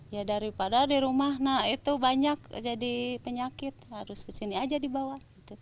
ya daripada di rumah nak itu banyak jadi penyakit harus kesini aja dibawa